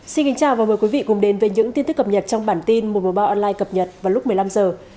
xin kính chào và mời quý vị cùng đến với những tin tức cập nhật trong bản tin mùa báo online cập nhật vào lúc một mươi năm h